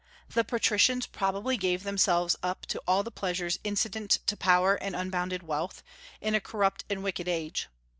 The Patricians probably gave themselves up to all the pleasures incident to power and unbounded wealth, in a corrupt and wicked age.